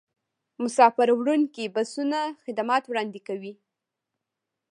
مسافروړونکي بسونه خدمات وړاندې کوي